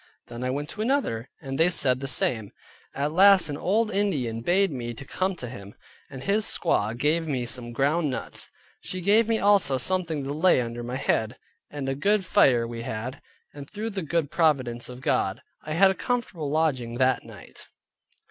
Then I went to another, and they said the same; at last an old Indian bade me to come to him, and his squaw gave me some ground nuts; she gave me also something to lay under my head, and a good fire we had; and through the good providence of God, I had a comfortable lodging that night.